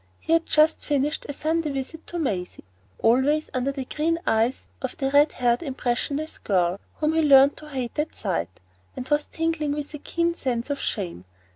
He had just finished a Sunday visit to Maisie,—always under the green eyes of the red haired impressionist girl, whom he learned to hate at sight,—and was tingling with a keen sense of shame.